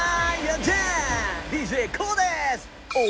ＤＪＫＯＯです！